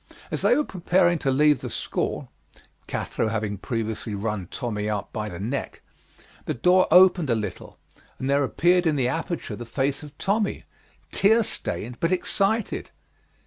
As they were preparing to leave the school [Cathro having previously run Tommy out by the neck], the door opened a little and there appeared in the aperture the face of Tommy, tear stained but excited.